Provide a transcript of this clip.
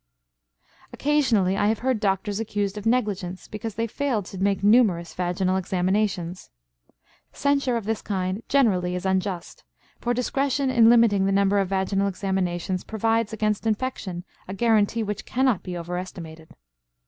Occasionally I have heard doctors accused of negligence because they failed to make numerous vaginal examinations. Censure of this kind generally is unjust, for discretion in limiting the number of vaginal examinations provides against infection a guarantee which cannot be overestimated.